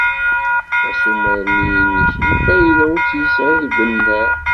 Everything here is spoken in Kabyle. Asumer-nni-inek lfayda ur tt-yesεi deg unnar.